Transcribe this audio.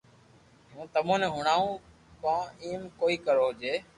ھون تمو ني ھڻاوُ ڪو ايم ڪوئي ڪرو جي